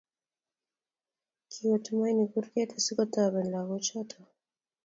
Kiwo Tumaini kurget asikotoben lagochoto